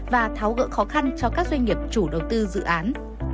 và tháo gỡ khó khăn cho các doanh nghiệp chủ đầu tư dự án